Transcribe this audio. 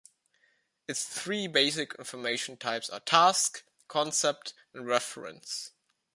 Its three basic information types are Task, Concept, and Reference.